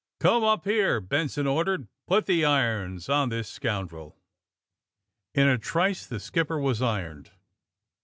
'^Come up here," Benson ordered. *^Put the irons on this scoundrel." In a trice the skipper was ironed.